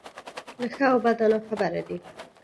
له ښه او بده ناخبره دی.